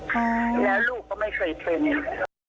แล้วลูกก็ไม่เคยทิ้ง